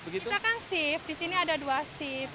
kita kan shift di sini ada dua shift